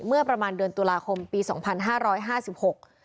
เมื่อประมาณเดือนตุลาคมปีสองพันห้าร้อยห้าสิบหก